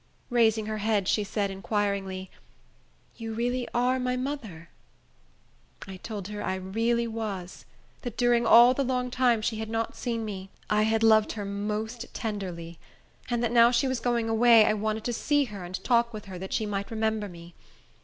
Raising her head, she said, inquiringly, "You really are my mother?" I told her I really was; that during all the long time she had not seen me, I had loved her most tenderly; and that now she was going away, I wanted to see her and talk with her, that she might remember me.